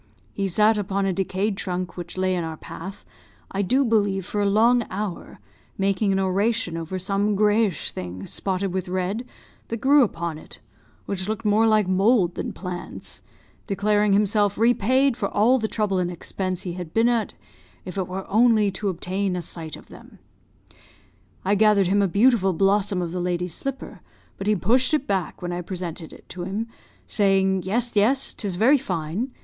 He sat upon a decayed trunk, which lay in our path, I do believe for a long hour, making an oration over some greyish things, spotted with red, that grew upon it, which looked more like mould than plants, declaring himself repaid for all the trouble and expense he had been at, if it were only to obtain a sight of them. I gathered him a beautiful blossom of the lady's slipper; but he pushed it back when I presented it to him, saying, 'Yes, yes; 'tis very fine.